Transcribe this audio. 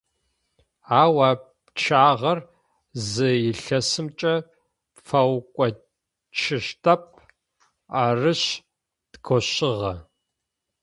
Ау а пчъагъэр зы илъэсымкӏэ пфэукӏочӏыщтэп, арышъ, дгощыгъэ.